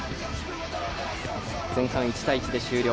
前半１対１で終了。